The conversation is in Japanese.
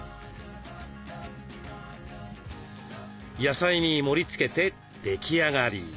野菜に盛りつけて出来上がり。